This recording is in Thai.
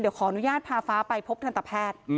เดี๋ยวขออนุญาตพาฟ้าไปพบทันตแพทย์